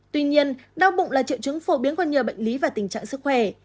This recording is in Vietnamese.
tuy nhiên đau bụng là triệu chứng phổ biến của nhiều bệnh lý và tình trạng sức khỏe